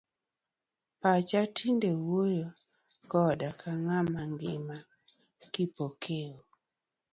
Pacha tinde wuoyo koda ka ng'ama ngima, Kipokeo.